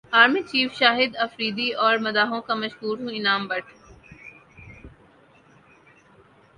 army چیفشاہد افریدی اور مداحوں کا مشکور ہوں انعام بٹ